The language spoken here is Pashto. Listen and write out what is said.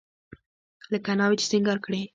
لکه ناوې چې سينګار کړې.